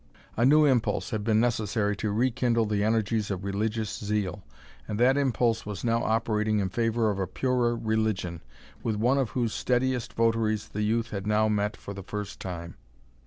A new impulse had been necessary to rekindle the energies of religious zeal, and that impulse was now operating in favour of a purer religion, with one of whose steadiest votaries the youth had now met for the first time.